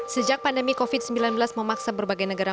sejak pandemi covid sembilan belas memaksa berbagai negara